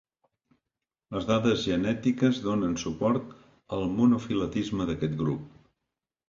Les dades genètiques donen suport al monofiletisme d'aquest grup.